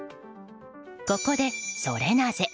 ここで、ソレなぜ？